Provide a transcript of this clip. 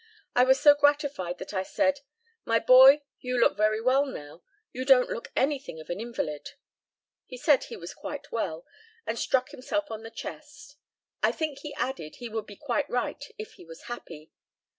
I was so gratified that I said, "My boy, you look very well now; you don't look anything of an invalid." He said he was quite well, and struck himself on the chest. I think he added he would be quite right if he was happy.